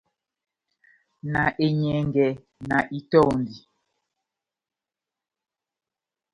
Na enyɛngɛ, na itɔndi.